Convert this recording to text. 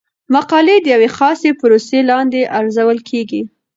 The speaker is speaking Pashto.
مقالې د یوې خاصې پروسې لاندې ارزول کیږي.